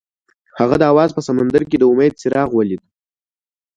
هغه د اواز په سمندر کې د امید څراغ ولید.